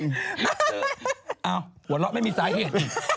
เอ้าหัวล่อไม่มีไปอีก